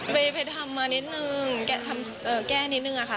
ไปทำมานิดนึงแก้นิดนึงอะค่ะ